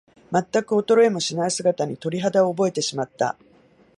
まったく衰えもしない姿に、鳥肌を覚えてしまった。